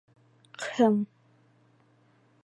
Кхым!..